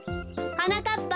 はなかっぱ